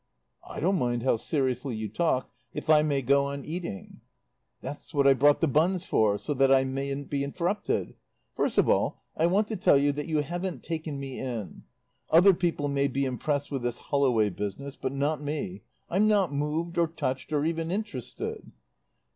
"I don't mind how seriously you talk if I may go on eating." "That's what I brought the buns for. So that I mayn't be interrupted. First of all I want to tell you that you haven't taken me in. Other people may be impressed with this Holloway business, but not me. I'm not moved, or touched, or even interested."